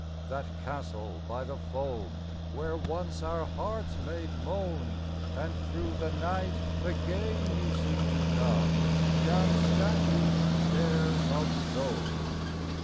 That castle by the foam, Where once our hearts made moan: And through the night again you seem to come Down statued stairs of stone.